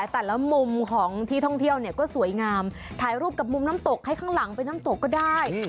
แต่ละมุมของที่ท่องเที่ยวเนี่ยก็สวยงามถ่ายรูปกับมุมน้ำตกให้ข้างหลังเป็นน้ำตกก็ได้